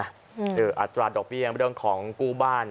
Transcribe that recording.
อัตราดอกเบี้ยเรื่องของกู้บ้าน